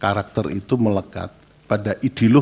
karakter itu melekat pada ideologi